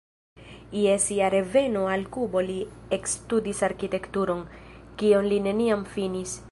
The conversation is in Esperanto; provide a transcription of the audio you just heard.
Je sia reveno al Kubo li ekstudis arkitekturon, kion li neniam finis.